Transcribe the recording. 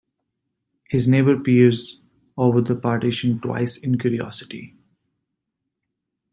His neighbor peers over the partition twice in curiosity.